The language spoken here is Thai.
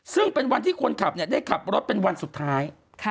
ซึ่งเป็นวันที่คนขับได้ขับรถเป็นวันสุดท้าย